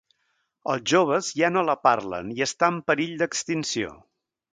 Els joves ja no la parlen i està en perill d'extinció.